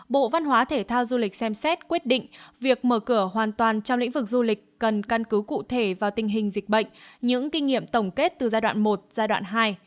bộ văn hóa thể thao du lịch xem xét quyết định việc mở cửa hoàn toàn trong lĩnh vực du lịch cần căn cứ cụ thể vào tình hình dịch bệnh những kinh nghiệm tổng kết từ giai đoạn một giai đoạn hai